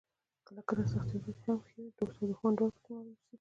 کله کله سختې ورځې هم ښې وي، دوست او دښمن دواړه پکې معلوم شي.